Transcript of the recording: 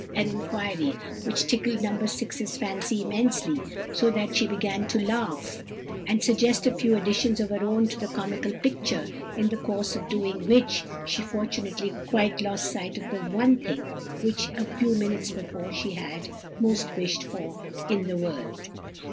—an inquiry which tickled No. 6's fancy immensely, so that she began to laugh, and suggest a few additions of her own to the comical picture, in the course of doing which, she fortunately quite lost sight of the "one thing" which a few minutes before she had "most wished for in the world!"